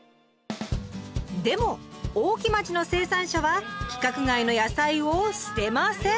でも大木町の生産者は規格外の野菜を捨てません！